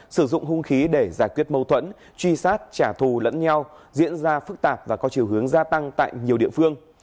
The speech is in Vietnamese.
sử dụng hung khí để giải quyết mâu thuẫn truy sát trả thù lẫn nhau diễn ra phức tạp và có chiều hướng gia tăng tại nhiều địa phương